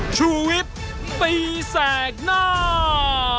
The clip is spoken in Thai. ชูเวทตีแสดหน้า